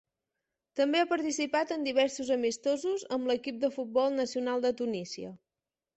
També ha participat en diversos amistosos amb l'equip de futbol nacional de Tunísia.